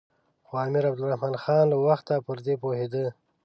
خو امیر عبدالرحمن خان له وخته پر دې پوهېده.